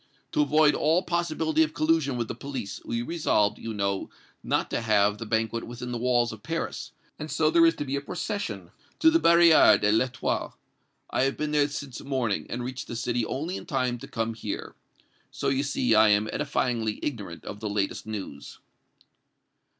To avoid all possibility of collision with the police, we resolved, you know, not to have the banquet within the walls of Paris, and so there is to be a procession to the Barrière de l'Etoile. I have been there since morning, and reached the city only in time to come here. So, you see, I am edifyingly ignorant of the latest news."